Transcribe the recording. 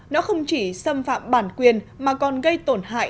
nó không chỉ xâm phạm bản quyền mà còn gây tổn hại